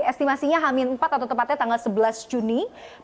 estimasinya hamin empat atau tepatnya tanggal sebelas juni dua ribu dua puluh